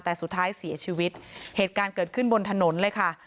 แต่สุดท้ายเสียชีวิตเหตุการณ์เกิดขึ้นบนถนนเลยค่ะ